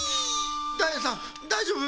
ダイヤさんだいじょうぶ？